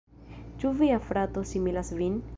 Ĉu via frato similas vin?